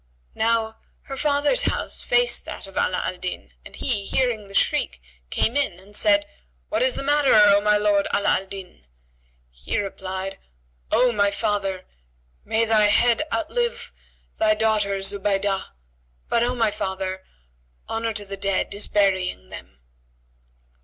Now her father's house faced that of Ala al Din, and he, hearing the shriek, came in and said, "What is the matter, O my lord Ala al Din?" He replied, "O my father, may thy head outlive thy daughter Zubaydah! But, O my father, honour to the dead is burying them."